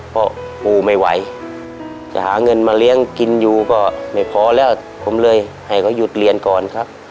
เพราะปู่ไม่ไหวจะหาเงินมาเลี้ยงกินอยู่ก็ไม่พอแล้วผมเลยให้เขาหยุดเรียนก่อนครับ